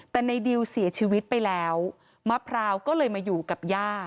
แต่ในดิวเสียชีวิตไปแล้วมะพร้าวก็เลยมาอยู่กับย่า